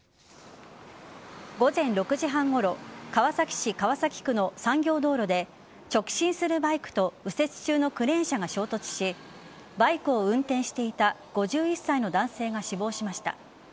午前６時半ごろ川崎市川崎区の産業道路で直進するバイクと右折中のクレーン車が衝突しバイクを運転していた５１歳の男性が死亡しました。